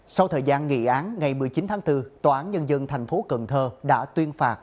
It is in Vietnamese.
sau thời gian nghị án ngày một mươi chín tháng bốn tòa án nhân dân thành phố cần thơ đã tuyên phạt